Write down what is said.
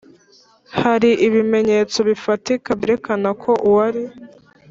hari ibimenyetso bifatika byerekana ko uwari